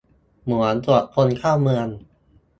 เหมือนตรวจคนเข้าเมือง